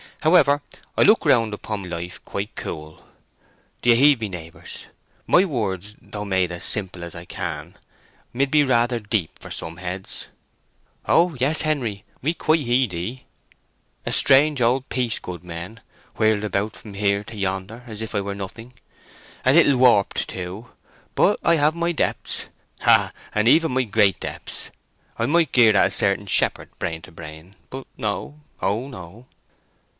However, I look round upon life quite cool. Do you heed me, neighbours? My words, though made as simple as I can, mid be rather deep for some heads." "O yes, Henery, we quite heed ye." "A strange old piece, goodmen—whirled about from here to yonder, as if I were nothing! A little warped, too. But I have my depths; ha, and even my great depths! I might gird at a certain shepherd, brain to brain. But no—O no!"